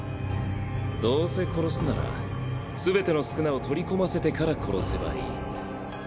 「どうせ殺すなら全ての宿儺を取り込ませてから殺せばいい」。